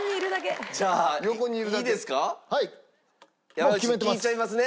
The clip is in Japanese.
山内に聞いちゃいますね。